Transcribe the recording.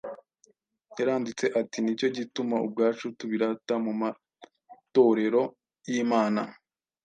Yaranditse ati: ” Ni cyo gituma ubwacu tubirata mu matorero y’Imana,